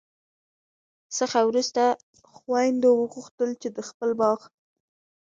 څخه وروسته خویندو وغوښتل چي د خپل باغ